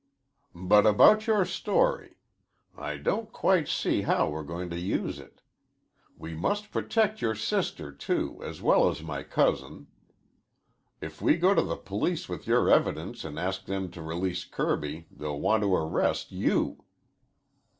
But about your story. I don't quite see how we're going to use it. We must protect your sister, too, as well as my cousin. If we go to the police with your evidence and ask them to release Kirby, they'll want to arrest you."